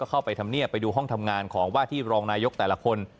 เข้าไปทำเนียบไปดูห้องทำงานของว่าที่รองนายกแต่ละคน